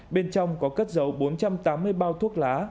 bên trong có cất dấu bốn trăm tám mươi bao thuốc lá